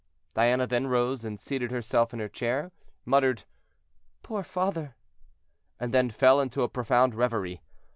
Diana then rose, and seating herself in her chair, muttered, "Poor father!" and then fell into a profound reverie.